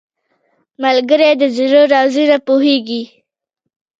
ملګری د زړه رازونه پوهیږي